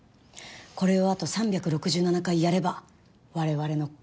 これをあと３６７回やれば我々の勝ちです。